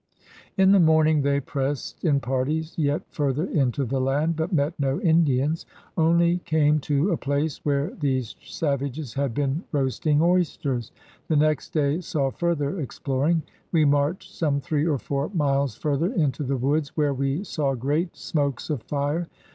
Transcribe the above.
24 PIONEERS OF THE OLD SOUTH In the morning they pressed in parties yet further into the land, but met no Indians — only came to a place where these savages had been roasting oysters. The next day saw further explor ing. *'We marched some three or foure miles further into the Woods where we saw great smoakes of fire.